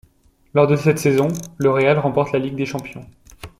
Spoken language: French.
Lors de cette saison, le Real remporte la Ligue des Champions.